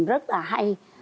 rất là hay